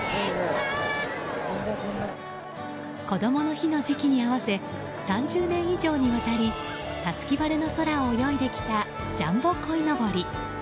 こどもの日の時期に合わせ３０年以上にわたり五月晴れの空を泳いできたジャンボこいのぼり。